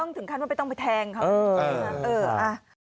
ต้องถึงขั้นไม่ต้องไปแทงเขา